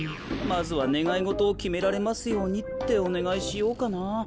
まずは「ねがいごとをきめられますように」っておねがいしようかな。